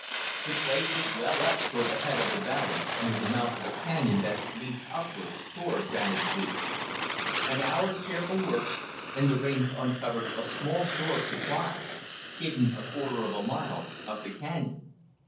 The place was well up toward the head of the valley, near the mouth of a canyon that leads upward toward Granite Peak. An hour's careful work, and the Ranger uncovered a small store of supplies; hidden a quarter of a mile up the canyon.